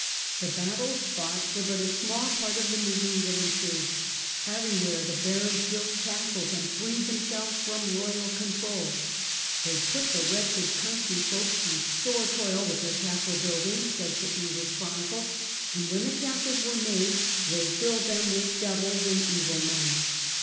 The battles 12 THE EVIL DAYS OF CIVIL WAR. fought were but a small part of the misery that ensued. Everywhere the barons built castles and freed themselves The Civil froni royal control. " They put the wretched ^^ country folk to sore toil with their castle build ing^'j says the English Chronicle; "and when the castles were made, they filled them with devils and evil men.